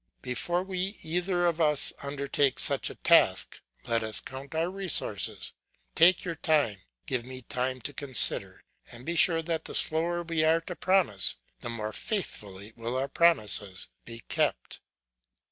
Before we either of us undertake such a task, let us count our resources; take your time, give me time to consider, and be sure that the slower we are to promise, the more faithfully will our promises be kept."